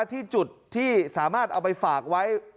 ที่จุดที่สามารถเอาไปฝากไว้